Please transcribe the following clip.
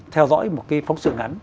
theo dõi một cái phóng sự ngắn